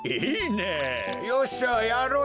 よっしゃやろうやろう！